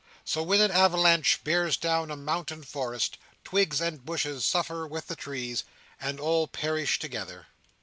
So, when an avalanche bears down a mountain forest, twigs and bushes suffer with the trees, and all perish together.